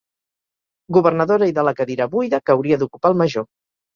Governadora i de la cadira buida que hauria d'ocupar el Major.